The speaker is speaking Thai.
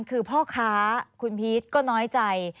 คือพ่อค้าคุณพีชก็น้อยใจ